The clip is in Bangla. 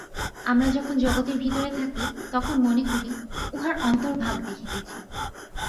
আমরা যখন জগতের ভিতরে থাকি, তখন মনে করি, উহার অন্তর্ভাগ দেখিতেছি।